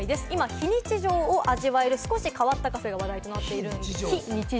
非日常を味わえる、少し変わったカフェが話題となっているんです。